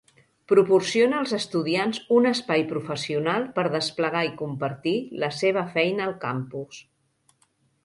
Proporciona als estudiants un espai professional per desplegar i compartir la seva feina al campus.